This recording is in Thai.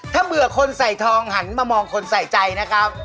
ถ้าเบื่อคนใส่ทองหันมามองคนใส่ใจนะครับ